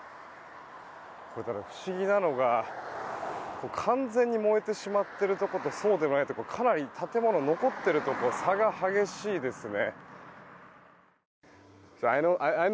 不思議なのが完全に燃えてしまっているところとそうでないところかなり建物が残っているところ差が激しいですね。